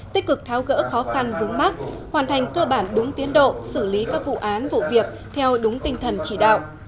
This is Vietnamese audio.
tích cực tháo gỡ khó khăn vướng mắt hoàn thành cơ bản đúng tiến độ xử lý các vụ án vụ việc theo đúng tinh thần chỉ đạo